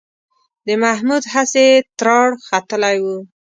د محمود هسې ټرار ختلی و